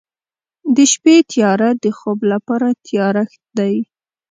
د شپې تیاره د خوب لپاره تیارښت دی.